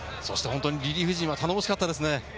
リリーフ陣は頼もしかったですね。